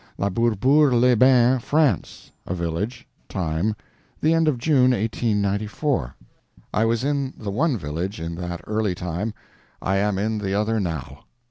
La Bourboule les Bains, France—a village; time, the end of June, 1894. I was in the one village in that early time; I am in the other now.